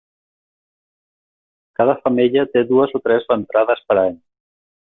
Cada femella té dues o tres ventrades per any.